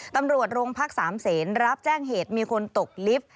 ตำรวจโรงพักสามเศษรับแจ้งเหตุมีคนตกลิฟต์